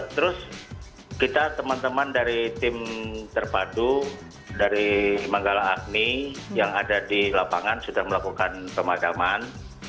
terus kita teman teman dari tim terpadu dari manggala agni yang ada di lapangan sudah melakukan pemadaman